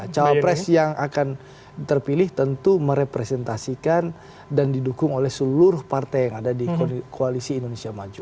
cawapres yang akan terpilih tentu merepresentasikan dan didukung oleh seluruh partai yang ada di koalisi indonesia maju